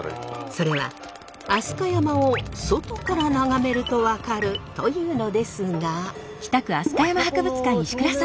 それは飛鳥山を外から眺めると分かるというのですが。